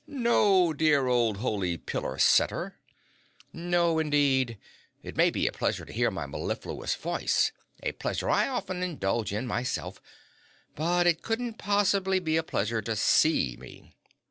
No, dear old holy pillar sitter, no indeed! It may be a pleasure to hear my mellifluous voice a pleasure I often indulge in, myself but it couldn't possibly be a pleasure to see me!"